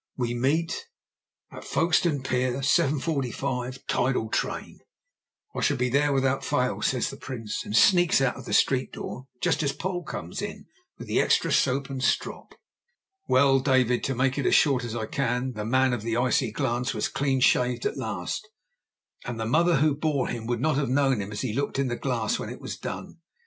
"We meet?" "At Folkestone pier, 7.45, tidal train." "I shall be there without fail," says the Prince, and sneaks out of the street door just as Poll comes in with the extra soap and strop. Well, David, to make it as short as I can, the man of the icy glance was clean shaved at last, and the mother who bore him would not have known him as he looked in the glass when it was done.